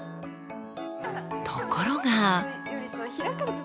ところが。